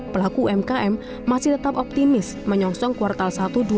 pelaku umkm masih tetap optimis menyongsong kuartal satu dua ribu dua puluh